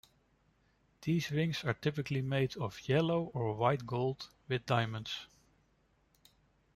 These rings are typically made of yellow or white gold with diamonds.